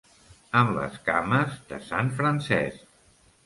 Amb les cames de Sant Francesc.